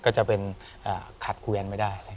ก็จะเป็นขาดครูแอนไม่ได้